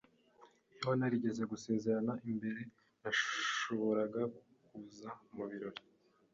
Iyo ntaba narigeze gusezerana mbere, nashoboraga kuza mubirori.